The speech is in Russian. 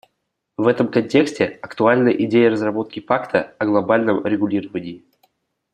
В этом контексте актуальна идея разработки пакта о глобальном регулировании.